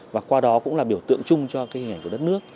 và qua đó cũng là biểu tượng chung cho thế hệ của đất nước